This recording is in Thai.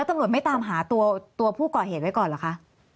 ตลอดไม่ตามหาตัวผู้ก่อเหตุก่อนหรือค่ะ